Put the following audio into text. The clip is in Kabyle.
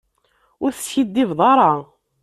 Ur teskiddibeḍ ara.